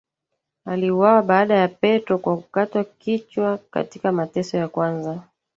aliuawa baada ya Petro kwa kukatwa kichwa katika mateso ya kwanza